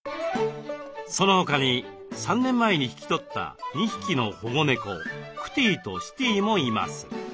そのほかに３年前に引き取った２匹の保護猫クティとシティもいます。